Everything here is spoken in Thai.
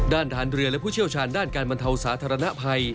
ทหารเรือและผู้เชี่ยวชาญด้านการบรรเทาสาธารณภัย